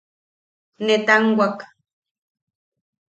Netanwak.